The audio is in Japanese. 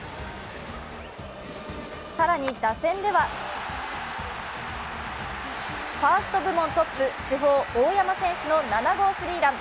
更に打線ではファースト部門トップ主砲・大山選手の７号スリーラン。